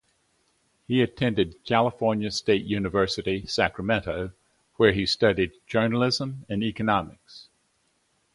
He attended California State University, Sacramento where he studied Journalism and Economics.